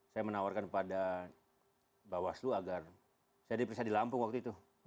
saya menawarkan pada bawaslu agar saya diperiksa di lampung waktu itu